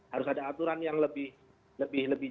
harus ada aturan yang lebih